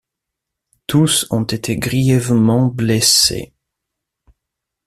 Tous ont été grièvement blessés.